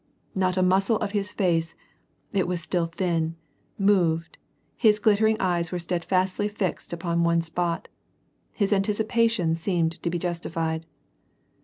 Not a muscle of his face — it was still thin — moved, his glittering eyes were steadfastly fixed on one spot. His anticipations seemed to be justified.